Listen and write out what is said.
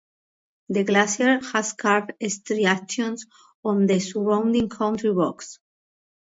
The glacier has carved striations on the surrounding country rocks.